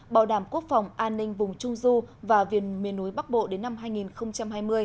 bảo đảm quốc phòng an ninh vùng trung du và viền miền núi bắc bộ đến năm hai nghìn hai mươi